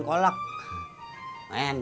tuh udah bayarin kolak